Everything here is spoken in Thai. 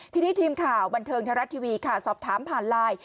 ทีนี้ทีมข่าวบันเทิงไทยรัฐทีวีค่ะสอบถามผ่านไลน์